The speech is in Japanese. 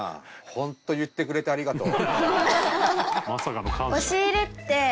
本当言ってくれてありがとう。